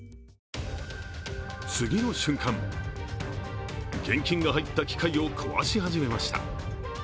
次の瞬間、現金が入った機械を壊し始めました。